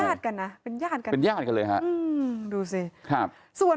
เป็นญาติกันนะเป็นญาติกันเป็นญาติกันเลยฮะอืมดูสิครับ